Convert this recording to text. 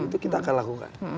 itu kita akan lakukan